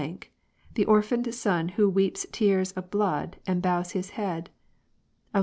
the orphaned son who weeps tears of blood and bows his head : of